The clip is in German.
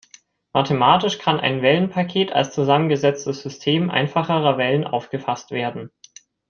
Mathematisch kann ein Wellenpaket als zusammengesetztes System einfacherer Wellen aufgefasst werden.